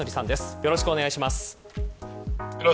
よろしくお願いします。